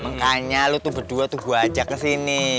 makanya lu tuh berdua tuh gua ajak kesini